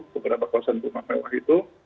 beberapa kawasan rumah mewah itu